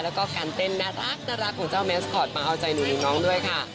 แล้วก็การเต้นน่ารักของเจ้าแมสคอตมาเอาใจหนูน้องด้วยค่ะ